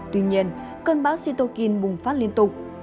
tuy nhiên cơn bão cytokine bùng phát liên tục